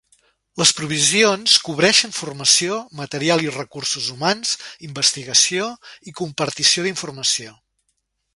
Les provisions cobreixen formació, material i recursos humans, investigació i compartició d'informació.